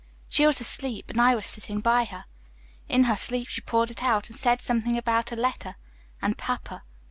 She was asleep and I was sitting by her. In her sleep she pulled it out and said something about a letter and Papa.